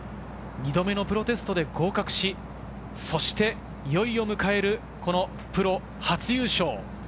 ２度目のプロテストで合格し、そしていよいよ迎えるこのプロ初優勝。